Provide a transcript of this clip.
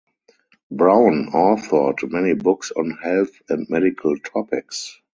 Brown authored many books on health and medical topics.